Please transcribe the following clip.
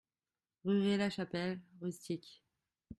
Rue Res La Chapelle, Rustiques